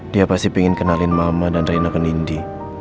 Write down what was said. dia pasti pingin kenalin mama dan reina ke nindi